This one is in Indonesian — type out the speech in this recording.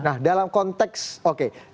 nah dalam konteks oke